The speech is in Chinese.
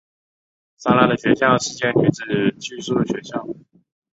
莎拉的学校是间女子寄宿学校。